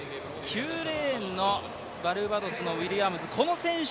９レーンのバルバドスのウィリアム選手。